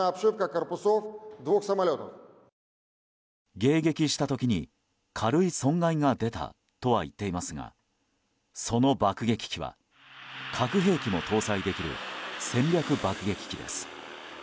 迎撃した時に軽い損害が出たとはいっていますがその爆撃機は核兵器も搭載できる戦略爆撃機です。